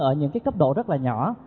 ở những cái cấp độ rất là nhỏ